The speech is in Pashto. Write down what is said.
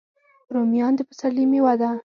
رومیان د پسرلي میوه ده